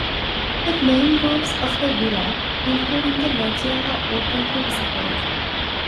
The main rooms of the villa, including the Loggia, are open to visitors.